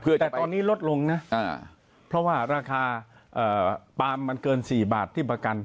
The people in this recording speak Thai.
แต่ตอนนี้ลดลงนะเพราะว่าราคาปาล์มมันเกิน๔บาทที่ประกัน